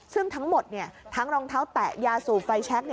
ซึ่งทั้งหมดทั้งรองเท้าแตะยาสูบไฟแชค